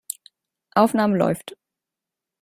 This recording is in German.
Aufnahme läuft.